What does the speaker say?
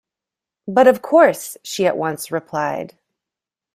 "But of course," she at once replied.